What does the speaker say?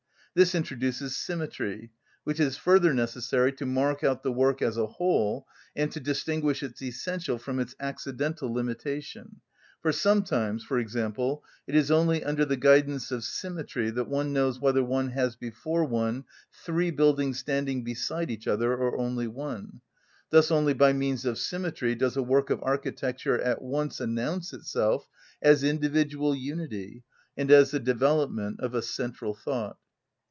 This introduces symmetry, which is further necessary to mark out the work as a whole, and to distinguish its essential from its accidental limitation; for sometimes, for example, it is only under the guidance of symmetry that one knows whether one has before one three buildings standing beside each other or only one. Thus only by means of symmetry does a work of architecture at once announce itself as individual unity, and as the development of a central thought.